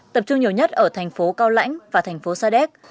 tập trung nhiều nhất ở thành phố cao lãnh và thành phố sa đéc